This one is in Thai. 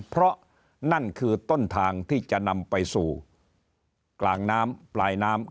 เพราะนั่นคือต้นทางที่จะนำไปสู่กลางน้ำปลายน้ำ